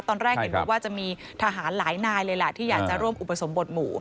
ตอนแรกเห็นบอกว่าจะมีทหารหลายนายเลยแหละที่อยากจะร่วมอุปสมบทหมู่